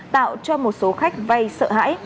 tạo cho một số khách vay sợ hãi